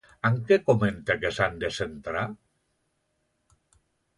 En què comenta que s'han de centrar?